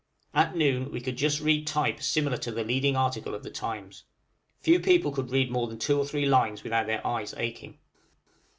At noon we could just read type similar to the leading article of the 'Times.' Few people could read more than two or three lines without their eyes aching.